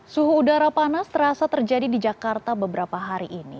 suhu udara panas terasa terjadi di jakarta beberapa hari ini